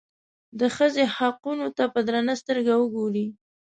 د ښځې حقونو ته په درنه سترګه وګوري.